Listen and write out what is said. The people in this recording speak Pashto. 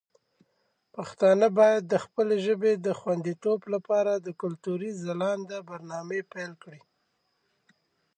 پښتانه باید د خپلې ژبې د خوندیتوب لپاره د کلتوري ځلانده برنامې پیل کړي.